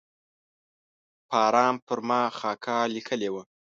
فاران پر ما خاکه لیکلې وه.